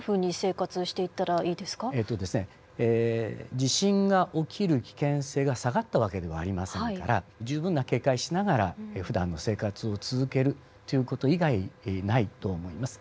地震が起きる危険性が下がった訳ではありませんから十分な警戒をしながらふだんの生活を続けるという事以外ないと思います。